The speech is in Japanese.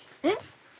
えっ？